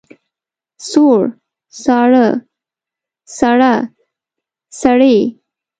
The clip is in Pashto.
سوړ، ساړه، سړه، سړې.